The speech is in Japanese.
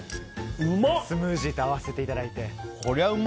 スムージーと合わせていただいて。